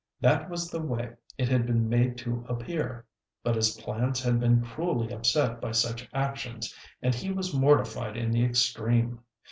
That was the way it had been made to appear. But his plans had been cruelly upset by such actions, and he was mortified in the extreme.